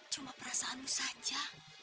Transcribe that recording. cuma perasaanmu saja